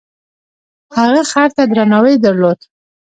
هغه خر ته درناوی درلود.